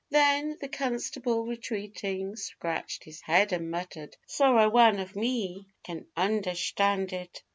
Then the constable, retreating, scratched his head and muttered 'Sorra Wan of me can undershtand it.